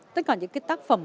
tất cả những cái tác phẩm